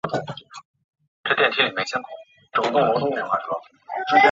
狭叶剪秋罗是石竹科剪秋罗属的植物。